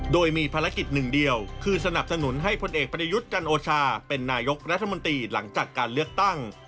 โดยมีภารกิจหนึ่งเดียวคือสนับสนุนให้พลเอกประยุทธ์จันโอชาเป็นนายกรัฐมนตรีหลังจากการเลือกตั้ง